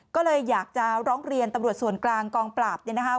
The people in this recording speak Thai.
ก็เลยอยากจะร้องเรียนตำรวจส่วนกลางกองปราบเนี่ยนะคะ